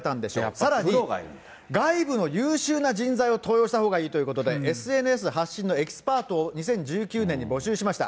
さらに、外部の優秀な人材を登用したほうがいいということで、ＳＮＳ発信のエキスパートを２０１９年に募集しました。